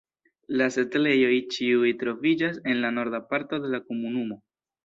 La setlejoj ĉiuj troviĝas en la norda parto de la komunumo.